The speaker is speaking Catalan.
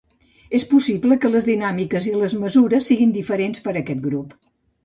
És possible que les dinàmiques i les mesures siguin diferents per a aquest grup.